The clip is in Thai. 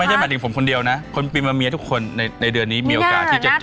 หมายถึงผมคนเดียวนะคนปีมาเมียทุกคนในเดือนนี้มีโอกาสที่จะเจอ